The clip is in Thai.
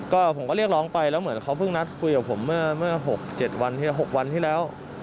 ก็ผมก็เรียกร้องไปแล้วเหมือนเขาเพิ่งนัดคุยกับผมเมื่อ๖๗วันที่๖วันที่แล้ว